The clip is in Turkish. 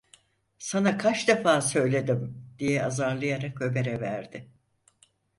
"Sana kaç defa söyledim!" diye azarlayarak Ömer’e verdi.